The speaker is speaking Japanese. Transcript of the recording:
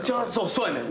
そうやねん。